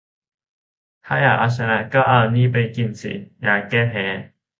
ถ้าอยากชนะก็เอานี่ไปกินสิ "ยาแก้แพ้"